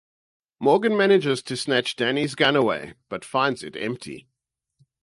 Morgan manages to snatch Danny's gun away, but finds it empty.